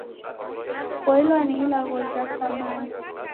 Kupoilwa ni ilagho jha samani.